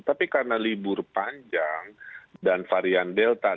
tapi karena libur panjang dan varian delta